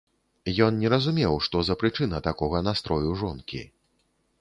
Ён не разумеў, што за прычына такога настрою жонкі.